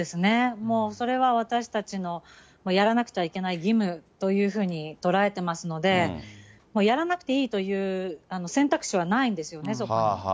もうそれは、私たちのやらなくちゃいけない義務というふうに捉えていますので、やらなくていいという選択肢はないんですよね、そこに。